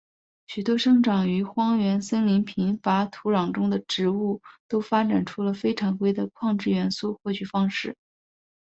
许多生长于荒原森林贫乏土壤中的植物都发展出了非常规的矿质元素获取方式。